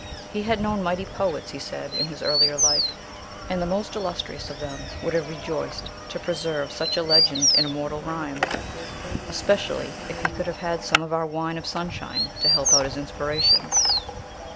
He had known mighty poets, he said, in his earlier life; and the most illustrious of them would have rejoiced to preserve such a legend in immortal rhyme, especially if he could have had some of our wine of Sunshine to help out his inspiration!"